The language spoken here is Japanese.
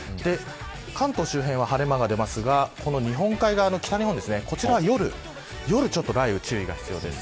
関東周辺は晴れ間が出ますが日本海側の北日本は夜、雷雨に注意が必要です。